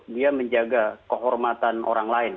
dia menjaga kehormatan orang lain